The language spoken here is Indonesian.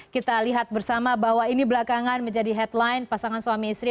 kita lihat bersama bahwa ini belakangan menjadi headline pasangan suami istri